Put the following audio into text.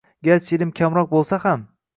Garchi ilmi kamroq bo‘lsa ham